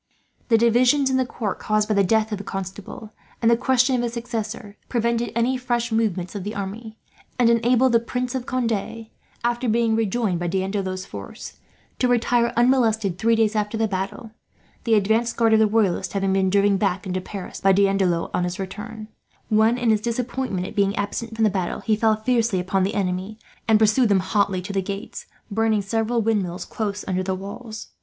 The divisions in the court, caused by the death of the Constable and the question of his successor, prevented any fresh movements of the army; and enabled the Prince of Conde, after being rejoined by D'Andelot's force, to retire unmolested three days after the battle; the advanced guard of the Royalists having been driven back into Paris by D'Andelot on his return when, in his disappointment at being absent from the battle, he fell fiercely upon the enemy, and pursued them hotly to the gates, burning several windmills close under the walls.